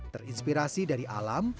terinspirasi dari alam